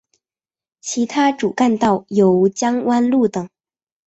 其他主干道有江湾路等。